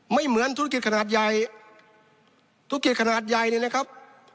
ไม่เหมือนธุรกิจขนาดใหญ่ธุรกิจขนาดใหญ่เนี่ยนะครับ